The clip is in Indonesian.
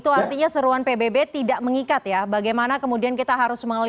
baik pak kris itu artinya seruan pbb tidak mengikat ya bagaimana kemudian kita harus mengelola